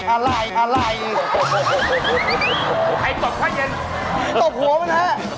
ใครตกต้นเย็น